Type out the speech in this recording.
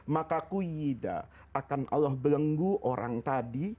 maka ku yida akan allah berenggu orang tadi